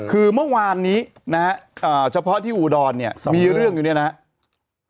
คือเมื่อวานนี้นะฮะเฉพาะที่อุดรเนี่ยมีเรื่องอยู่เนี่ยนะครับ